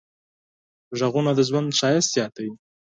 غږونه د ژوند ښایست زیاتوي.